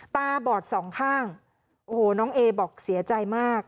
ตาบอดสองข้างโอ้โหน้องเอบอกเสียใจมาก